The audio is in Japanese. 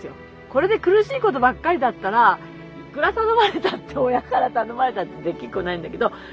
これで苦しいことばっかりだったらいくら頼まれたって親から頼まれたってできっこないんだけど。